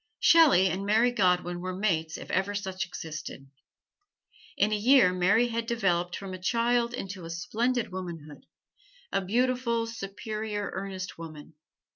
Shelley and Mary Godwin were mates if ever such existed. In a year Mary had developed from a child into splendid womanhood a beautiful, superior, earnest woman.